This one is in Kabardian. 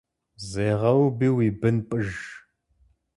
Зегъэуби уи бын пӏыж.